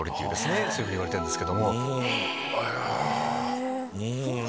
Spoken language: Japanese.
そういうふうにいわれてるんです。